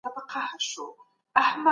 له اسراف او تبذیر څخه ډډه وکړئ.